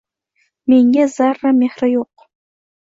Menga zarra mehr yo’q.